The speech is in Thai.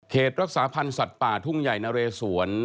รักษาพันธ์สัตว์ป่าทุ่งใหญ่นะเรสวน